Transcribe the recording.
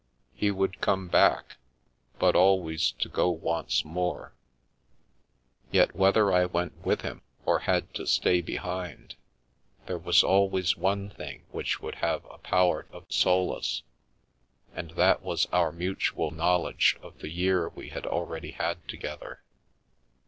He would come back, but always to go once more, yet whether I went with him or had to stay behind, there was always one thing which would have a power of solace, and that was our mutual knowl edge of the year we had already had together.